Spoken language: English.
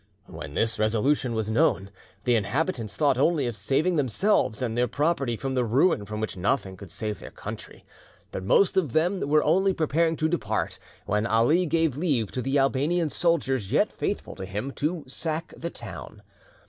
When this resolution was known, the inhabitants thought only of saving themselves and their property from the ruin from which nothing could save their country. But most of them were only preparing to depart, when Ali gave leave to the Albanian soldiers yet faithful to him to sack the town.